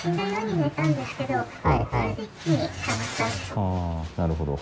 あなるほど。